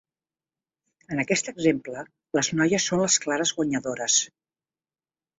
En aquest exemple, les noies són les clares guanyadores.